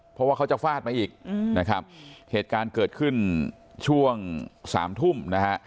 เพราะว่าเขาจะฟาดมาอีกนะครับเหตุการณ์เกิดขึ้นช่วงสามทุ่มนะฮะ